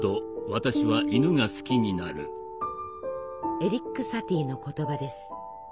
エリック・サティの言葉です。